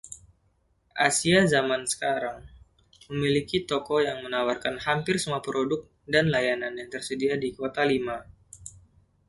Asia Zaman Sekarang memiliki toko yang menawarkan hampir semua produk dan layanan yang tersedia di Kota Lima.